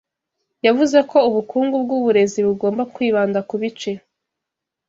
yavuze ko ubukungu bw’uburezi bugomba kwibanda ku bice